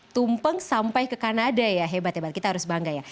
tumpeng sampai ke kanada ya hebat hebat kita harus bangga ya